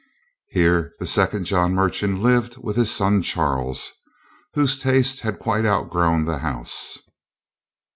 Here the second John Merchant lived with his son Charles, whose taste had quite outgrown the house.